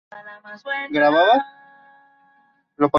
Pickle Lake has its own detachment of the Ontario Provincial Police.